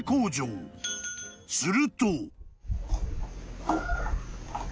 ［すると］